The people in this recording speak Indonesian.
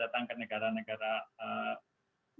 datang ke negara negara